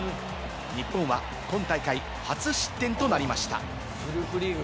日本は今大会、初失点となりました。